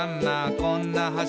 こんな橋」